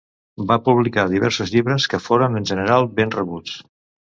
Va publicar diversos llibres, que foren en general ben rebuts.